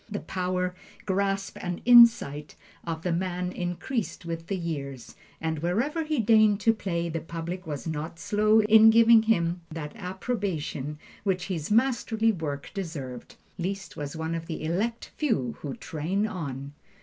The power, grasp and insight of the man increased with the years, and wherever he deigned to play, the public was not slow in giving him that approbation which his masterly work deserved. Liszt was one of the Elect Few who train on.